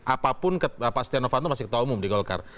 apapun pak stianovanto masih ketua umum di golkar